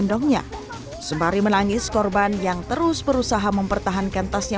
indongnya sembari menangis korban yang terus berusaha mempertahankan tasnya